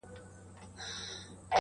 انار ګل د ارغنداو پر بګړۍ سپور سو!